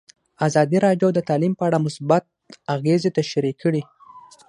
ازادي راډیو د تعلیم په اړه مثبت اغېزې تشریح کړي.